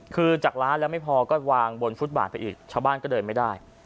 คือจากร้านแล้วไม่พอก็วางบนฟุตบาทไปอีกชาวบ้านก็เดินไม่ได้